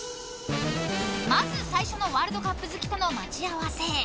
まず最初のワールドカップ好きとの待ち合わせ。